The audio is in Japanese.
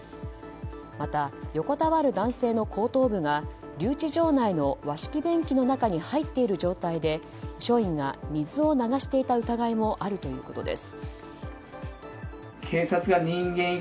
また、横たわる男性の後頭部が留置場内の和式便器の中に入っている状態で署員が水を流していた疑いもあるということです。